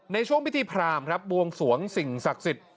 ในช่วงพิธีพรามครับบวงสวงสิ่งศักดิ์สิทธิ์